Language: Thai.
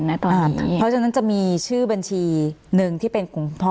เพราะฉะนั้นจะมีชื่อบัญชีหนึ่งที่เป็นคุณพ่อ